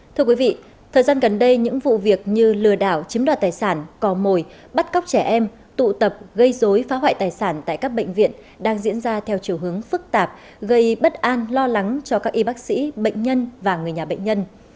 thưa quý vị thời gian gần đây những vụ việc như lừa đảo chiếm đoạt tài sản cò mồi bắt cóc trẻ em tụ tập gây dối phá hoại tài sản tại các bệnh viện đang diễn ra theo chiều hướng phức tạp gây bất an lo lắng cho các y bác sĩ bệnh nhân và người nhà bệnh nhân